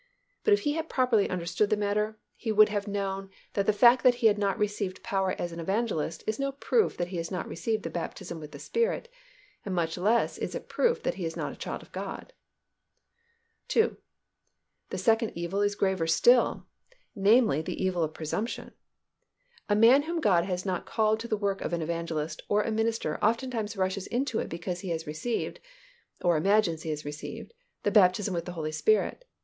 But if he had properly understood the matter, he would have known that the fact that he had not received power as an evangelist is no proof that he has not received the baptism with the Spirit, and much less is it a proof that he is not a child of God. (2) The second evil is graver still, namely, the evil of presumption. A man whom God has not called to the work of an evangelist or a minister oftentimes rushes into it because he has received, or imagines he has received, the baptism with the Holy Spirit.